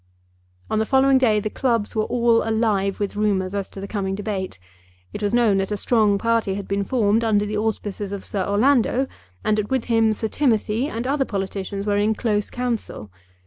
On the following day the clubs were all alive with rumours as to the coming debate. It was known that a strong party had been formed under the auspices of Sir Orlando, and that with him Sir Timothy and other politicians were in close council.